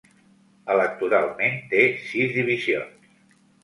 Electoralment té sis divisions.